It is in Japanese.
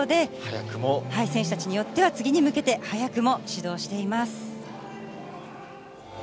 選手たちによっては、次に向けて、早くも始動しています。